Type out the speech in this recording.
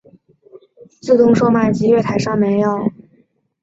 月台上设有数张候车座椅及自动售卖机。